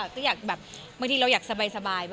ก็อยากแบบบางทีเราอยากสบาย